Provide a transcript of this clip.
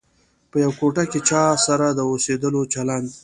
په یوه کوټه کې چا سره د اوسېدلو چلند.